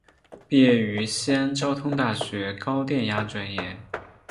毕业于西安交通大学高电压专业。